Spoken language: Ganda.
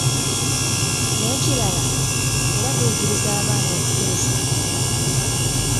N’ekirala, era guyigiriza abaana okuteesa.